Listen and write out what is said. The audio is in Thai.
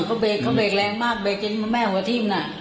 อ่าเบรกแรงมากเบรกเป็นแม่หัวที่มันอ่ะ